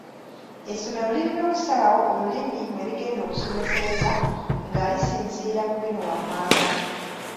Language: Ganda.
Essomero lirina okusalawo olulimi mwe ligenda okusomesereza nga lisinziira ku bino wammanga